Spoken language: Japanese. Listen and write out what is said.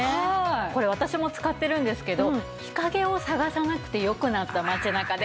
これ私も使ってるんですけど日陰を探さなくてよくなった街中で。